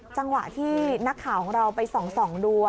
จังหวะที่นักข่าวของเราไปส่องดู